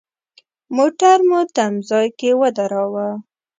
موټر مو تم ځای کې ودراوه.